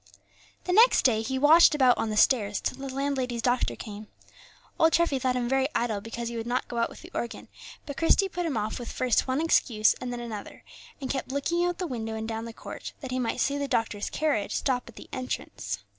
The next day he watched about on the stairs till the landlady's doctor came. Old Treffy thought him very idle because he would not go out with the organ; but Christie put him off with first one excuse and then another, and kept looking out of the window and down the court, that he might see the doctor's carriage stop at the entrance.